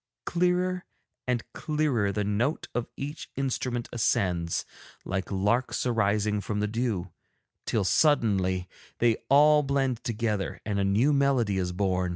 Clearer and clearer the note of each instrument ascends like larks arising from the dew, till suddenly they all blend together and a new melody is born.